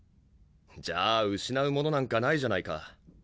じゃあ失うものなんかないじゃないか。